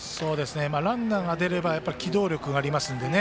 ランナーが出れば機動力がありますのでね。